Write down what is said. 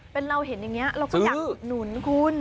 เป็นเราเห็นอย่างนี้เราก็อยากอุดหนุนคุณ